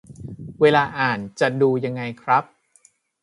เวลาอ่านจะดูยังไงครับ